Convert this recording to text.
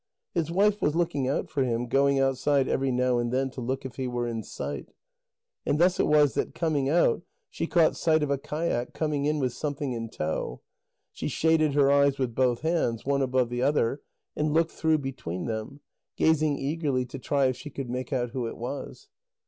His wife was looking out for him, going outside every now and then to look if he were in sight. And thus it was that coming out, she caught sight of a kayak coming in with something in tow. She shaded her eyes with both hands, one above the other, and looked through between them, gazing eagerly to try if she could make out who it was.